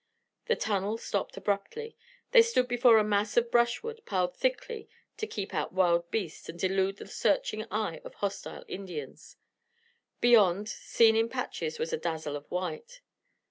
The tunnel stopped abruptly. They stood before a mass of brushwood, piled thickly to keep out wild beasts and delude the searching eye of hostile Indians. Beyond, seen in patches, was a dazzle of white.